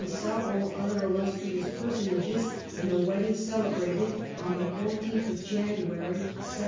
several other illustrious personages, and the wed ding celebrated on the 14th January, 1776.